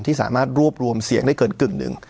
สามารถรวบรวมเสียงได้เกินกึ่งหนึ่ง